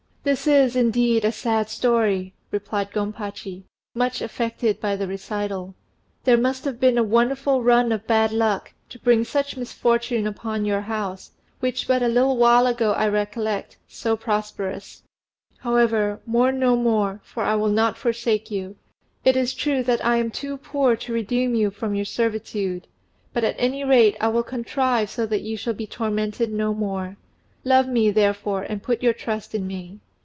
"This is, indeed, a sad story," replied Gompachi, much affected by the recital. "There must have been a wonderful run of bad luck to bring such misfortune upon your house, which but a little while ago I recollect so prosperous. However, mourn no more, for I will not forsake you. It is true that I am too poor to redeem you from your servitude, but at any rate I will contrive so that you shall be tormented no more. Love me, therefore, and put your trust in me."